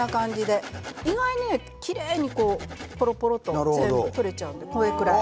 意外にね、きれいにぽろぽろと全部取れちゃうんです。